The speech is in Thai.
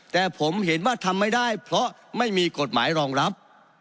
แต่ผมเห็นว่าทำไม่ได้เพราะไม่มีกฎหมายรองรับ